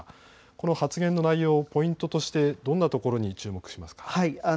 この発言の内容、ポイントとしてどんな所に注目しますか。